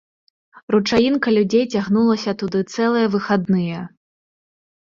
Ручаінка людзей цягнулася туды цэлыя выхадныя.